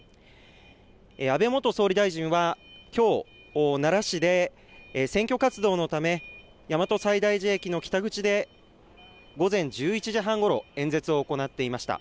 安倍元総理大臣はきょう奈良市で選挙活動のため大和西大寺駅の北口で午前１１時半ごろ、演説を行っていました。